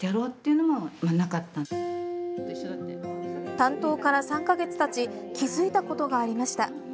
担当から３か月たち気付いたことがありました。